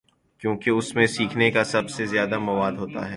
کیونکہ اس میں سیکھنے کا سب سے زیادہ مواد ہو تا ہے۔